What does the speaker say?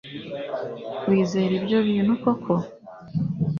wizera ibyo bintu koko